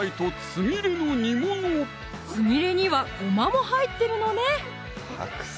つみれにはごまも入ってるのね